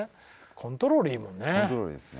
コントロールいいもんね。